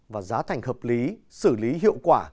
và giá thành hợp lý xử lý hiệu quả